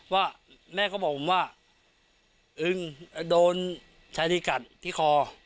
ว่าแม่เขาบอกผมว่าอึงโดนชายที่กัดที่คอ